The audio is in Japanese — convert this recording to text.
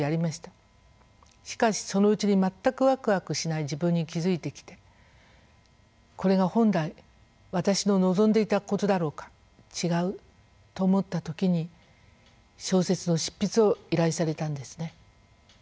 しかしそのうちに全くわくわくしない自分に気付いてきて「これが本来私の望んでいたことだろうか違う！」と思った時に小説の執筆を依頼されたんですね。